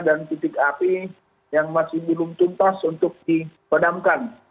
dan titik api yang masih belum tuntas untuk dipadamkan